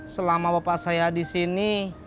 selama bapak saya di sini